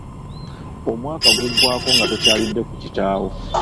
Omwaka guggwaako nga tokyalidde ku kitaawo.